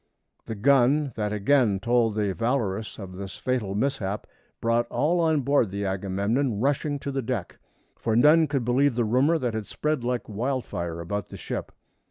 The gun that again told the Valorous of this fatal mishap brought all on board the Agamemnon rushing to the deck, for none could believe the rumor that had spread like wildfire about the ship.